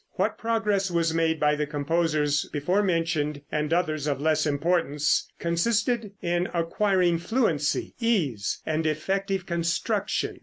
What progress was made by the composers before mentioned, and others of less importance, consisted in acquiring fluency, ease and effective construction.